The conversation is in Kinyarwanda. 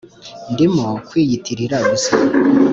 ndimo kwiyitirira gusa.